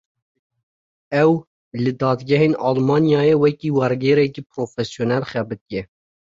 Ew, li dadgehên Almanyayê, wekî wergêrekî profesyonel xebitiye